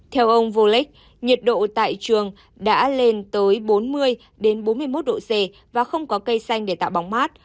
theo ông volec nhiệt độ tại trường đã lên tới bốn mươi bốn mươi một độ c và không có cây xanh để tạo bóng mát